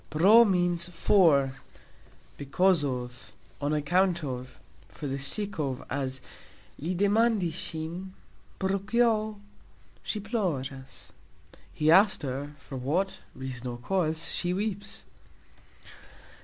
"Pro" means "for, because of, on account of, for the sake of" (cause), as "Li demandis sxin, pro kio sxi ploras", He asked her, for what (reason or cause) she weeps.